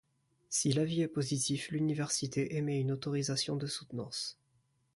Si l’avis est positif, l'université émet une autorisation de soutenance.